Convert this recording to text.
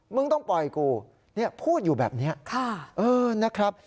มึงต้องปล่อยกูพูดอยู่แบบนี้นะครับ